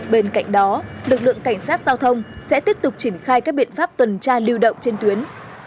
bên cạnh đó lực lượng cảnh sát giao thông sẽ tiếp tục triển khai các biện pháp tuần tra lưu động trên tuyến